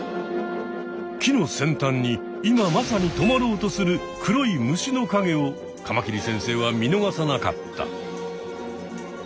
木の先端に今まさにとまろうとする黒い虫のかげをカマキリ先生は見逃さなかった。